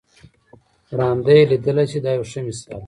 ړانده یې لیدلای شي دا یو ښه مثال دی.